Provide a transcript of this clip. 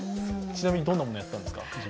ちなみにどんなものをやったんですか？